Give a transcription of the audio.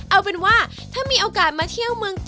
เอาเป็นว่าถ้ามีโอกาสมาเที่ยวเมืองไทย